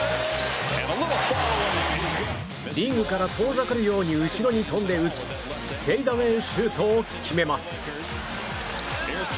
リングから遠ざかるように後ろに跳んで打つフェイダウェイシュートを決めます。